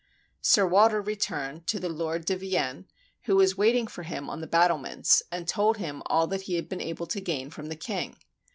Sir Walter returned to the Lord de Vienne, who was waiting for him on the battlements, and told him all that he had been able to gain from the king.